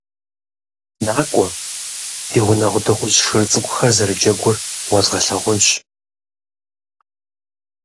НакӀуэ, ди гъунэгъу дыгъужь шыр цӀыкӀухэр зэрыджэгур уэзгъэлъагъунщ!